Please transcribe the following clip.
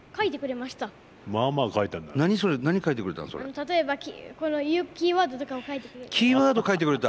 例えばこの言うキーワードとかを書いてくれた。